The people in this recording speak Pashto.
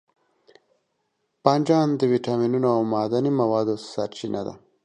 بانجان د ویټامینونو او معدني موادو سرچینه ده.